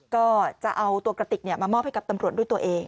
ก็จะเอาตัวกระติกมามอบให้กับตำรวจด้วยตัวเอง